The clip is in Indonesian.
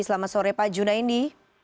selamat sore pak junaidi